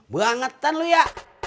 buangetan lu ya